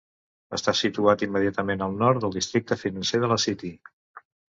Està situat immediatament al nord del districte financer de la City.